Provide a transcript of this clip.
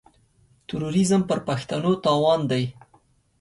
تروريزم پر پښتنو تاوان دی.